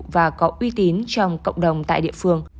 và có uy tín trong cộng đồng tại địa phương